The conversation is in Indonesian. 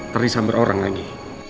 teri sambar orang lagi